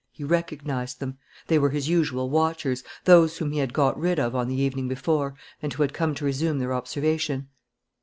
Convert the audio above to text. He recognized them. They were his usual watchers, those whom he had got rid of on the evening before and who had come to resume their observation.